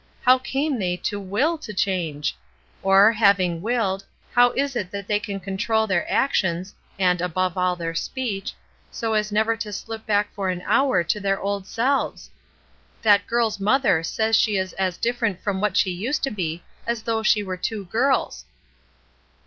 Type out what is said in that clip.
How came they to will to change ? Or, having willed, how is it that they can control their actions, and, above all, their speech, so as never to sUp back for an hour to their old selves? That girFs mother says she is as different from what she used to be as though she were two girls."